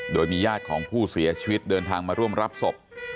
โดยมีญาติของผู้เสียชีวิตเดินทางมาร่วมรับศพ